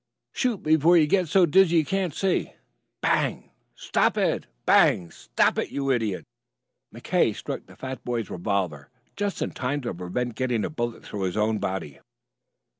"Shoot before you get so dizzy you can't see!" Bang! "Stop it " Bang! "Stop it, you idiot!" McKay struck the fat boy's revolver just in time to prevent getting a bullet through his own body.